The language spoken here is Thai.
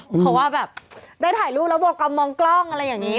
เพราะว่าแบบได้ถ่ายรูปแล้วโบกอมมองกล้องอะไรอย่างนี้